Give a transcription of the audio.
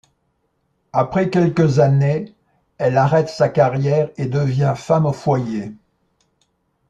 Après quelques années, elle arrête sa carrière et devient femme au foyer.